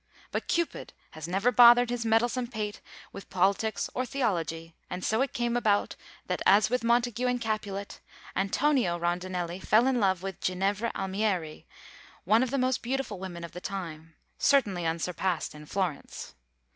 But Cupid has never bothered his meddlesome pate with politics or theology; and so it came about that, as with Montague and Capulet, Antonio Rondinelli fell in love with Ginevra Almieri, one of the most beautiful women of the time certainly unsurpassed in Florence.